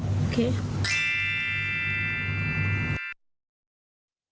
เมื่อกี้เขาได้เท่าไร